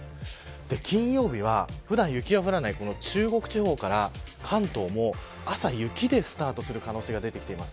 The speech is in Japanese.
金曜日は普段雪が降らない中国地方から関東も朝、雪でスタートする可能性が出てきています。